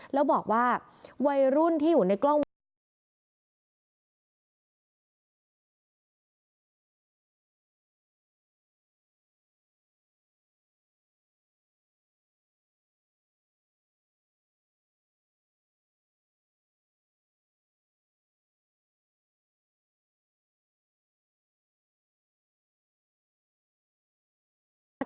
แล้วบอกว่าวัยรุ่นที่อยู่ในกล้องวงจรปิด